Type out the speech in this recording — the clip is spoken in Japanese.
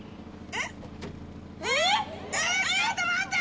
えっちょっと待って！